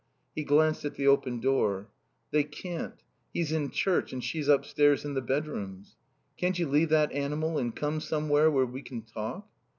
He glanced at the open door. "They can't. He's in church and she's upstairs in the bedrooms." "Can't you leave that animal and come somewhere where we can talk?"